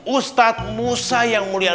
ustadz musa yang mulia